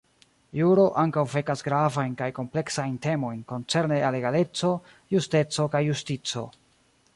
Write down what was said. Juro ankaŭ vekas gravajn kaj kompleksajn temojn koncerne al egaleco, justeco, kaj justico.